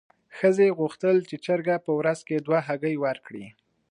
ښځې غوښتل چې چرګه په ورځ کې دوه هګۍ ورکړي.